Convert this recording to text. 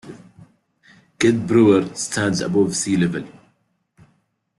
Kidd Brewer stands above sea level.